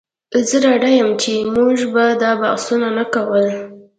زه ډاډه یم چې موږ به دا بحثونه نه کول